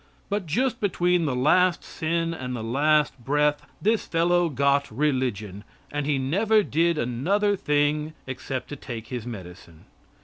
But just between the last sin and the last breath, this fellow got religion, and he never did another thing except to take his medicine.